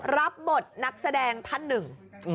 รับบทนักแสดงท่านหนึ่ง